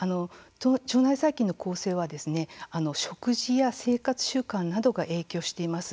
腸内細菌の構成は、食事や生活習慣などが影響しています。